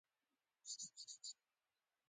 رڼا په کمو موادو کې په تېزۍ حرکت کوي.